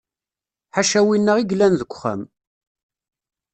Ḥaca winna i yellan deg uxxam.